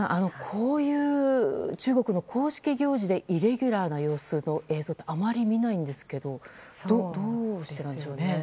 こういう中国の公式行事でイレギュラーな様子の映像ってあまり見ないんですけどどうしてなんでしょうね。